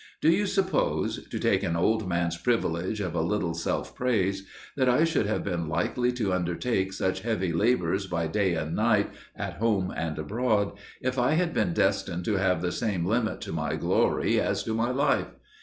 Do you suppose to take an old man's privilege of a little self praise that I should have been likely to undertake such heavy labours by day and night, at home and abroad, if I had been destined to have the same limit to my glory as to my life?